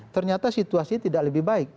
ternyata situasi tidak lebih baik